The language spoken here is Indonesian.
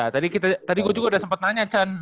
ya tadi kita tadi gua juga udah sempet nanya chan